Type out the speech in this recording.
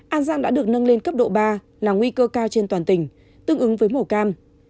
an giang đã được nâng lên cấp độ ba là nguy cơ cao trên toàn tỉnh tương ứng với mổ cam